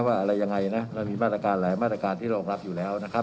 ว่าอะไรยังไงนะเรามีมาตรการหลายมาตรการที่รองรับอยู่แล้วนะครับ